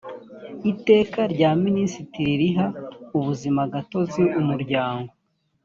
iteka rya minisitiri riha ubuzimagatozi umuryango